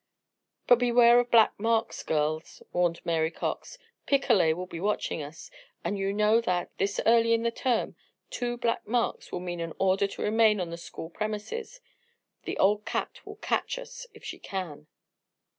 "But beware of black marks, girls," warned Mary Cox. "Picolet will be watching us; and you know that, this early in the term, two black marks will mean an order to remain on the school premises. That old cat will catch us if she can."